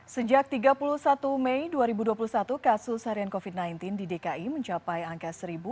sejak tiga puluh satu mei dua ribu dua puluh satu kasus harian covid sembilan belas di dki mencapai angka satu